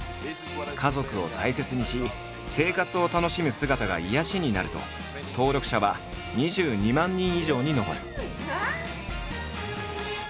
家族を大切にし生活を楽しむ姿が癒やしになると登録者は２２万人以上に上る。